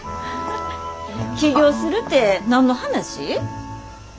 起業するて何の話？